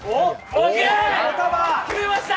決めました！